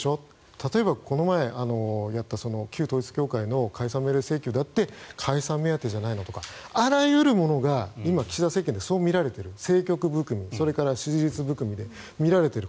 例えばこの前やった旧統一教会の解散命令請求だって解散目当てじゃないのとかあらゆるものが今、岸田政権、そう見られている政局含みそれから支持率含みで見られている。